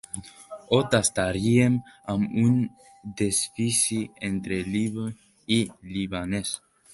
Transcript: Ho tastaríem amb un desfici entre libi i libanès.